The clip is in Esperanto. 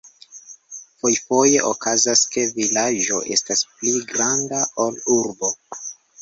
Fojfoje okazas, ke vilaĝo estas pli granda ol urbo.